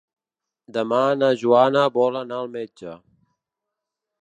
Demà na Joana vol anar al metge.